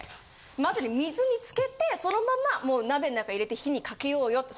まず水につけてそのままもう鍋ん中入れて火にかけようよって